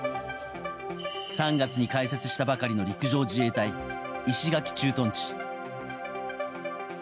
３月に開設したばかりの陸上自衛隊石垣駐屯地。